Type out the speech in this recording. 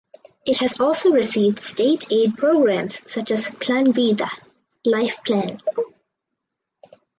It has also received state aid programs such as Plan Vida (Life Plan).